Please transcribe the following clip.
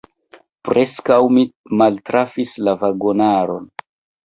Preskaŭ mi maltrafis la vagonaron.